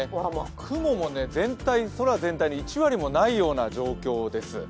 雲も空全体の１割もないような状況です。